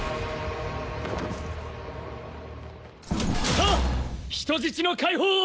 さあ人質の解放を！